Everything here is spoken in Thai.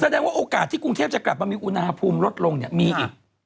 ว่าโอกาสที่กรุงเทพจะกลับมามีอุณหภูมิลดลงเนี่ยมีอีก